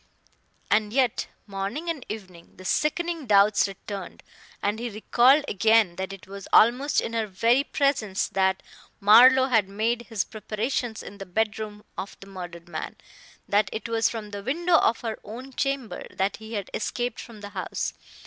And yet, morning and evening, the sickening doubts returned, and he recalled again that it was almost in her very presence that Marlowe had made his preparations in the bedroom of the murdered man, that it was from the window of her own chamber that he had escaped from the house.